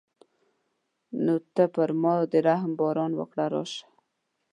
نو ته پر ما د رحم باران وکړه راشه.